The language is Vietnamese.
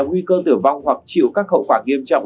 nguy cơ tử vong hoặc chịu các hậu quả nghiêm trọng